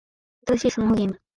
新しいスマホゲーム